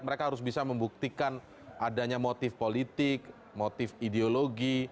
mereka harus bisa membuktikan adanya motif politik motif ideologi